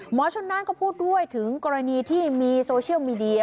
ชนนานก็พูดด้วยถึงกรณีที่มีโซเชียลมีเดีย